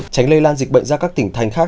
tránh lây lan dịch bệnh ra các tỉnh thành khác